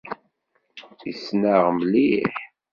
Issen-aɣ mliḥ.